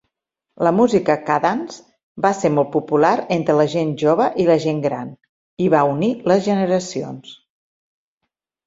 La música "kadans" va ser molt popular entre la gent jove i la gent gran i va unir les generacions.